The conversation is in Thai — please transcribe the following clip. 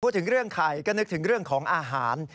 พูดถึงเรื่องไข่ก็นึกถึงเรื่องของอาหาร